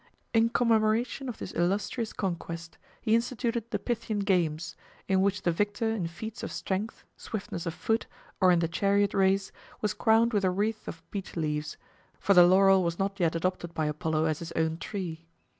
In commemoration of this illustrious conquest he instituted the Pythian games, in which the victor in feats of strength, swiftness of foot, or in the chariot race was crowned with a wreath of beech leaves; for the laurel was not yet adopted by Apollo as his own tree.